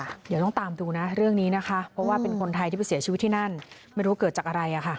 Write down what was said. เดี๋ยวต้องตามดูนะเรื่องนี้นะคะเพราะว่าเป็นคนไทยที่ไปเสียชีวิตที่นั่นไม่รู้เกิดจากอะไร